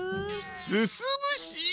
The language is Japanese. すすむし！